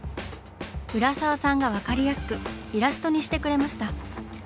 浦沢さんが分かりやすくイラストにしてくれました。